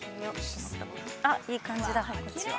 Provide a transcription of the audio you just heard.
◆あ、いい感じだ、こっちは。